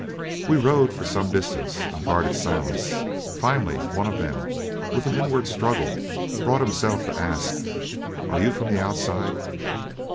We rode for some distance in guarded silence. Finally, one of them, with an inward struggle, brought himself to ask, "Are you from the outside?"